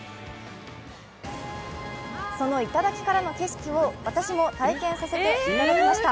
その頂からの景色を私も体験させていただきました。